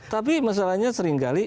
tapi masalahnya sering kali